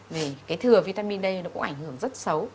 vì cái thừa vitamin đây nó cũng ảnh hưởng rất xấu